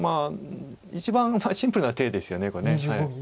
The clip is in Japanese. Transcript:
一番シンプルな手ですよねこれ。